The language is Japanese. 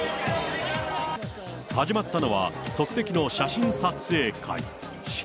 始まったのは、即席の写真撮影会。